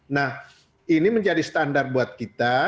nah ini menjadi standar buat kita